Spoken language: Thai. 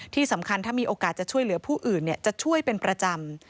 ที่สำคัญถ้ามีโอกาสจะช่วยเหลือผู้อื่นจะช่วยเป็นประจำ